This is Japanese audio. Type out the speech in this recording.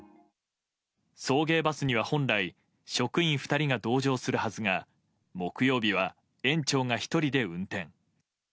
送迎バスには本来職員２人が同乗するはずが木曜日は園長が１人で運転。